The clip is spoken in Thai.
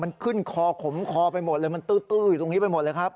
มันขึ้นคอขมคอไปหมดเลยมันตื้ออยู่ตรงนี้ไปหมดเลยครับ